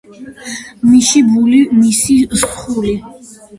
მიში ბული მიში სხული